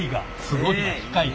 すごい。